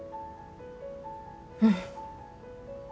うん。